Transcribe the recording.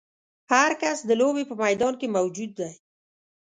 هر کس د لوبې په میدان کې موجود دی.